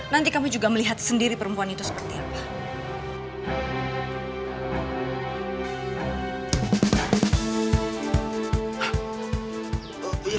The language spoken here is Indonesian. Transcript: nanti kamu juga melihat sendiri perempuan itu seperti apa